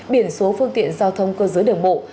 biển số phương tiện giao thông cơ giới đường bộ